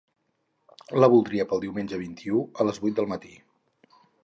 La voldria pel diumenge vint-i-u a les vuit del mati.